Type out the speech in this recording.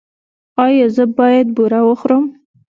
ایا زه باید بوره وخورم؟